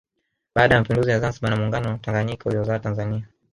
Baada ya mapinduzi ya Zanzibar na muungano na Tanganyika uliozaa Tanzania